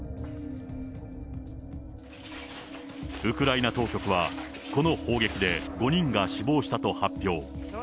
ウクライナ当局は、この砲撃で５人が死亡したと発表。